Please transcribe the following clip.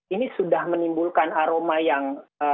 ini sudah menimbulkan aroma yang